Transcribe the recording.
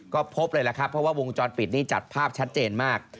ก็พบเลยล่ะครับเพราะว่าวงจรปิดนี่จัดภาพชัดเจนมาก